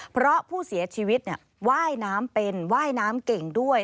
เพราะผู้เสียชีวิตว่ายน้ำเป็นว่ายน้ำเก่งด้วย